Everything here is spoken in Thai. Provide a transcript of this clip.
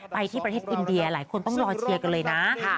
ไปที่ประเทศอินเดียหลายคนต้องรอเชียร์กันเลยนะ